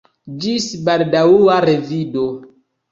Ĝis baldaŭa revido!